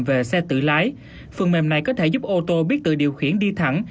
về xe tự lái phần mềm này có thể giúp ô tô biết tự điều khiển đi thẳng